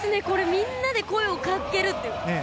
みんなで声をかけるっていう。